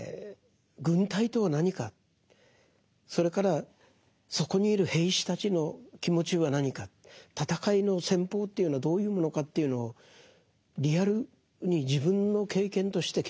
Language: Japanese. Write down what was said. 軍隊とは何かそれからそこにいる兵士たちの気持ちは何か戦いの戦法というのはどういうものかというのをリアルに自分の経験として経験してらっしゃる。